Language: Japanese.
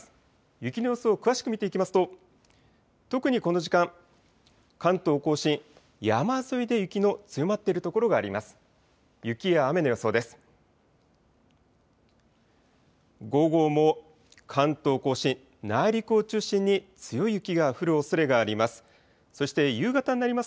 雪の予想、詳しく見ていきますと特にこの時間、関東甲信、山沿いで雪の強まっている所があります。